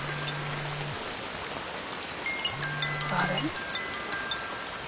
誰？